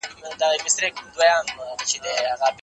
افغانستان څنګه کولای سي له امریکا سره خپلې اړیکي بېرته رغوي؟